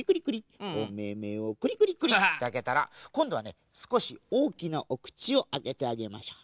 おめめをクリクリクリ！ってあけたらこんどはねすこしおおきなおくちをあけてあげましょう。